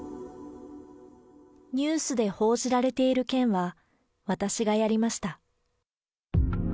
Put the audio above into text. ニュースで報じられてる件は私がやりました。